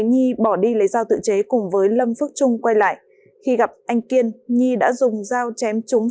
nhi bỏ đi lấy dao tự chế cùng với lâm phước trung quay lại khi gặp anh kiên nhi đã dùng dao chém chúng